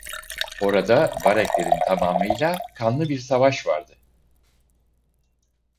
Orada Vareglerin tamamıyla kanlı bir savaş vardı.